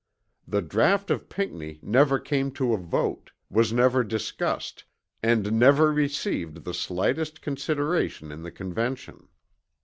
The draught of Pinckney never came to a vote, was never discussed, and never received the slightest consideration in the Convention.